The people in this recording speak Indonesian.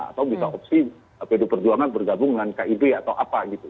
atau bisa opsi pd perjuangan bergabung dengan kib atau apa gitu